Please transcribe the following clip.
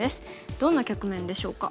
どんな局面でしょうか。